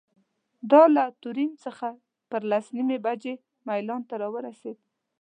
دا له تورین څخه پر لس نیمې بجې میلان ته رارسېده.